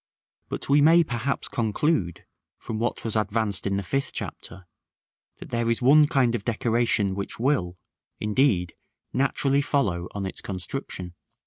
But we may perhaps conclude, from what was advanced in the Fifth Chapter, that there is one kind of decoration which will, indeed, naturally follow on its construction.